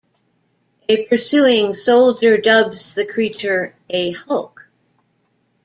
A pursuing soldier dubs the creature a "hulk".